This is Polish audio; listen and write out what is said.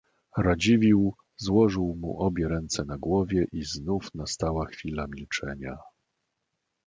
"Radziwiłł złożył mu obie ręce na głowie i znów nastała chwila milczenia..."